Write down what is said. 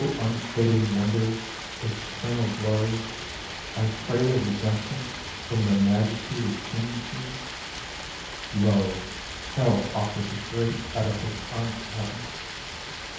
unfading wonder, eternal glory ! I pray a redemption from the majesty that chains me — (Lo, Hell offers a great edifice unto Heaven